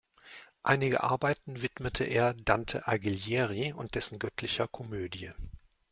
Einige Arbeiten widmete er Dante Alighieri und dessen göttlicher Komödie.